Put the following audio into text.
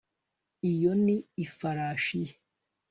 iyo ni ifarashi ye